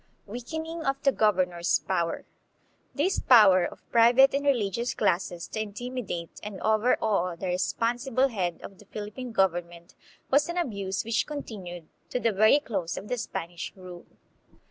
Weakening of the Governor's Power, This power of private and religious classes to intimidate and overawe the responsible head of the Philippine government was an abuse which continued to the very close of the Spanish rule.